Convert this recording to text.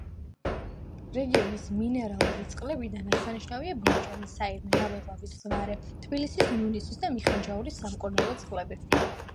რეგიონის მინერალური წყლებიდან აღსანიშნავია: ბორჯომი, საირმე, ნაბეღლავი, ზვარე; თბილისის, ნუნისის და მახინჯაურის სამკურნალო წყლები.